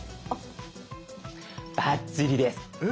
バッチリです。え？